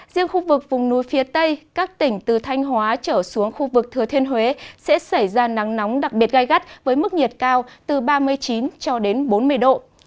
riêng khu vực vùng núi phía tây các tỉnh từ thanh hóa trở xuống khu vực thừa thiên huế sẽ xảy ra nắng nóng đặc biệt gai gắt với mức nhiệt cao từ ba mươi chín cho đến bốn mươi độ